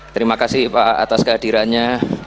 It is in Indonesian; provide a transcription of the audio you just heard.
terima kasih pak atas kehadirannya